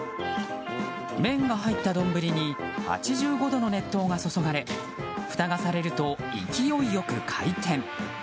麺が入った丼に８５度の熱湯が注がれふたがされると勢いよく回転。